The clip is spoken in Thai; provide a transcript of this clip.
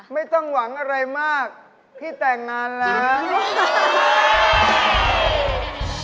ไม่ต้องหวังอะไรมากพี่แต่งงานแล้ว